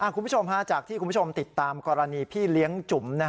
คุณผู้ชมจากที่คุณผู้ชมติดตามกรณีพี่เลี้ยงจุ๋ม